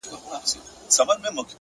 هڅه کوونکی بخت ته انتظار نه کوي!